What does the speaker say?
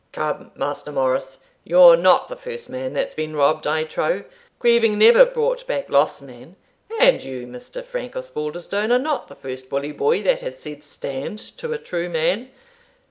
"Come, Master Morris, you're not the first man that's been robbed, I trow grieving ne'er brought back loss, man. And you, Mr. Frank Osbaldistone, are not the first bully boy that has said stand to a true man.